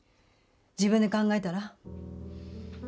自分で考えたら？